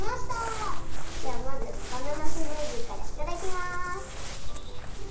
じゃあまずバナナスムージーからいただきます！